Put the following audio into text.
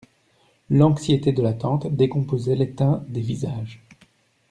L'anxiété de l'attente décomposait les teints des visages.